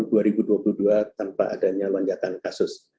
memasuki tahun dua ribu dua puluh dua tanpa adanya lonjakan kasus